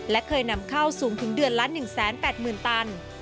และเคยนำเข้าสูงถึงเดือนละ๑๘๐๐๐ตัน